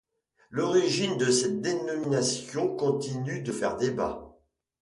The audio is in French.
L'origine de cette dénomination continue de faire débat.